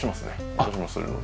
私もするので。